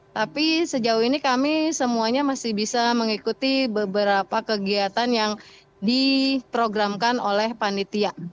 tapi sejauh ini kami semuanya masih bisa mengikuti beberapa kegiatan yang diprogramkan oleh panitia